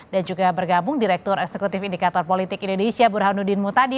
dan juga bergabung direktur eksekutif indikator politik indonesia burhanuddin mutadi